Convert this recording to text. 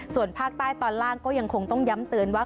ส่วนภาคใต้ตอนล่างก็ยังคงต้องย้ำเตือนว่า